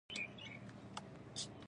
ما له هغه څخه وغوښتل چې جنګ وکړي.